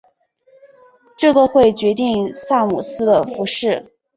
这个会决定萨姆斯的服饰。